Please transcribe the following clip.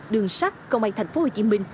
đường sắc công an tp hcm